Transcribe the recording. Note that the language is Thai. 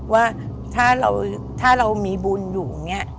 ว่าถ้าเรามีบุญอยู่